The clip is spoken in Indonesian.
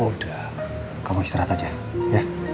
udah kamu istirahat aja ya